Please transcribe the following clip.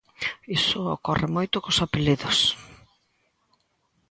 Iso ocorre moito cos apelidos.